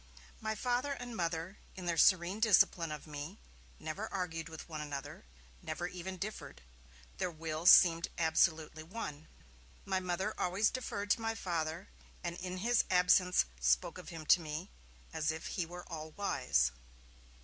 My Father and Mother, in their serene discipline of me, never argued with one another, never even differed; their wills seemed absolutely one. My Mother always deferred to my Father, and in his absence spoke of him to me, as if he were all wise.